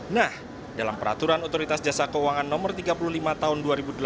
nah dalam peraturan otoritas jasa keuangan no tiga puluh lima tahun dua ribu delapan belas